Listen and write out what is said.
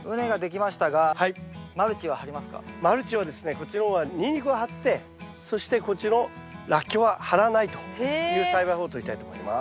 こっちの方はニンニクは張ってそしてこっちのラッキョウは張らないという栽培法をとりたいと思います。